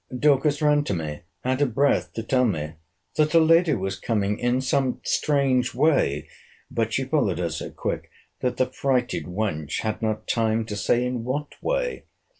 Dorcas ran to me, out of breath, to tell me, that her lady was coming in some strange way; but she followed her so quick, that the frighted wench had not time to say in what way.